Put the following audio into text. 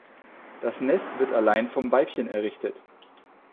Das Nest wird allein vom Weibchen errichtet.